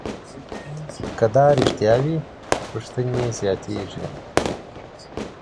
که دا رښتیا وي، پوښتنې زیاتېږي.